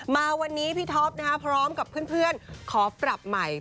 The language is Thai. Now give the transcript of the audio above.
มาวันนี้พี่ท็อปพร้อมกับเพื่อนขอปรับใหม่